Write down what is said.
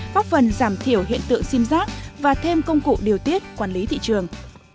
góp phần giảm thiểu hiện tượng sim giác và thêm công cụ điều tiết quản lý thị trường